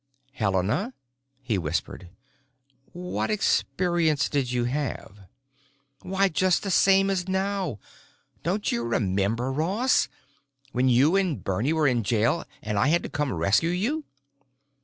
"Helena," he whispered. "What experience did you have?" "Why, just the same as now! Don't you remember, Ross? When you and Bernie were in jail and I had to come rescue you?"